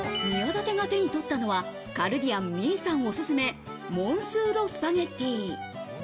宮舘が手に取ったのはカルディアンおすすめモンスーロスパゲッティ。